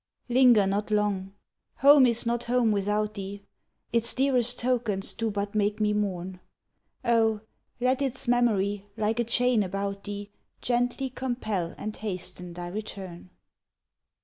Linger not long. Home is not home without thee: Its dearest tokens do but make me mourn. O, let its memory, like a chain about thee, Gently compel and hasten thy return!